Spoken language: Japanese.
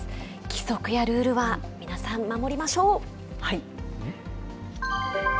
規則やルールは、皆さん守りましょう。